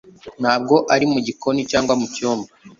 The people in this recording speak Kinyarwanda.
Ntabwo ari mu gikoni cyangwa mu cyumba